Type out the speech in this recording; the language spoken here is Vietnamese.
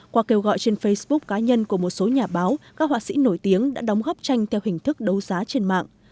qua kêu gọi trên facebook cá nhân của một số nhà báo các họa sĩ nổi tiếng đã đóng góp tranh theo hình thức đấu giá trên mạng